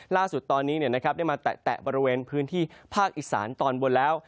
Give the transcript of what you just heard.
ล่าสุดตอนนี้ได้มาแตะบริเวณพื้นที่ภาคอีสานตอนบนแล้ว